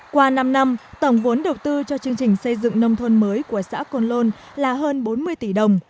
qua năm năm tổng vốn đầu tư cho chương trình xây dựng nông thôn mới của xã côn lôn là hơn bốn mươi tỷ đồng